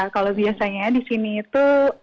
kalau biasanya di sini itu